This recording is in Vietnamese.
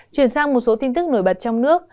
chuyển sang một số tin tức nổi bật trong nước